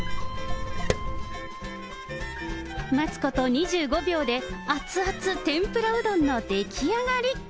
待つこと２５秒で、熱々天ぷらうどんの出来上がり。